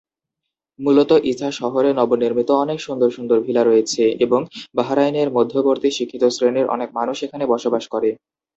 মূলত ইসা শহরে নবনির্মিত অনেক সুন্দর সুন্দর ভিলা রয়েছে এবং বাহরাইনের মধ্যবিত্ত শিক্ষিত শ্রেণীর অনেক মানুষ এখানে বসবাস করে।